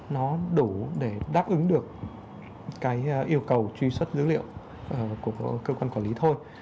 nó đủ để đáp ứng được cái yêu cầu truy xuất dữ liệu của cơ quan quản lý thôi